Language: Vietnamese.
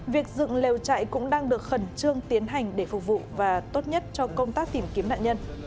việc dựng lều trại cũng đang được khẩn trương tiến hành để phục vụ và tốt nhất cho công tác tìm kiếm nạn nhân